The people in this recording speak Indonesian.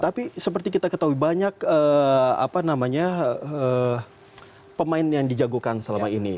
tapi seperti kita ketahui banyak pemain yang dijagokan selama ini